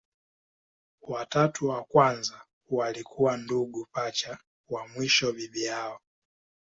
Watatu wa kwanza walikuwa ndugu pacha, wa mwisho bibi yao.